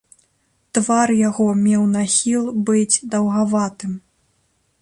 Твар яго меў нахіл быць даўгаватым.